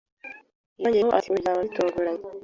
Yongeraho ati: "Urebye bizaba bitunguranye